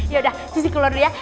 yaudah sisi kulur dulu ya